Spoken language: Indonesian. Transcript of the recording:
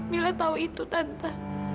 mila tahu itu tante